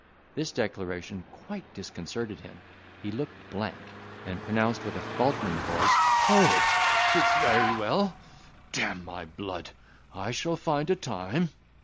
This declaration quite disconcerted him. He looked blank, and pronounced with a faltering voice, "Oh! it's very well: d—n my blood! I shall find a time."